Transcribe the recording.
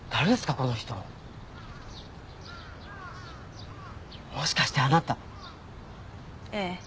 この人もしかしてあなたええ